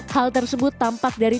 hal tersebut tampak dari